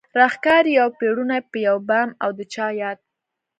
راښکاري يو پړونی په يو بام او د چا ياد